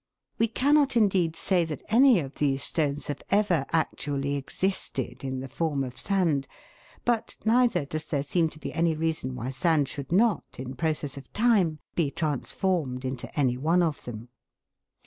We cannot, indeed, say that any of these stones have ever actually existed in the form of sand, but neither does there seem to be any reason why sand should not, in process of time, be trans formed into any one of them.